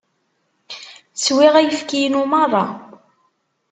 Swiɣ ayefki-inu merra.